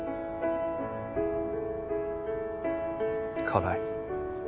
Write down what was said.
辛い。